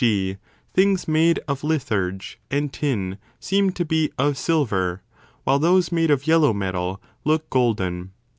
g. things made of litharge and tin seem to be of silver, while those made of yellow metal look golden.